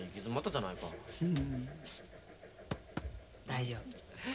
大丈夫。